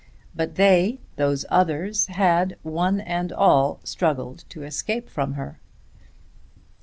But they, those others had, one and all, struggled to escape from her.